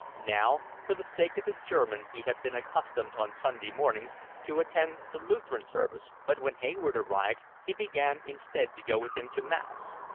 Now, for the sake of his German he had been accustomed on Sunday mornings to attend the Lutheran service, but when Hayward arrived he began instead to go with him to Mass.